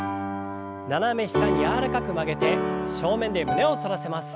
斜め下に柔らかく曲げて正面で胸を反らせます。